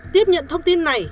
tiếp nhận thông tin này